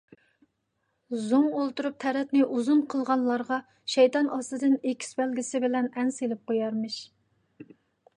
زوڭ ئولتۇرۇپ تەرەتنى ئۇزۇن قىلغانلارغا شەيتان ئاستىدىن ئېكىس بەلگىسى بىلەن ئەن سەپ قويارمىش.